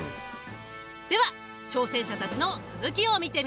では挑戦者たちの続きを見てみよう。